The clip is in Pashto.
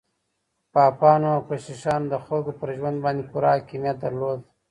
پاپانو او کشيشانو د خلګو پر ژوند باندې پوره حاکميت درلود.